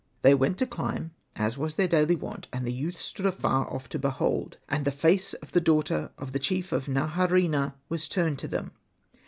They went to climb, as was their daily wont : and the youth stood afar ofF to behold ; and the face of the daughter of the chief of Naharaina was turned to them.